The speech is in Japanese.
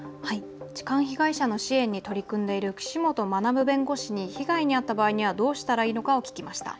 痴漢被害者の支援に取り組む岸本学弁護士に被害に遭った場合にはどうしたらいいのかを聞きました。